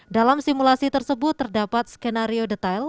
dalam simulasi tersebut terdapat skenario detail